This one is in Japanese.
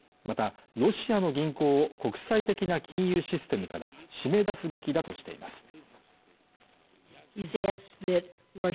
またロシアの銀行国際的な金融システムから締め出すべきだとしています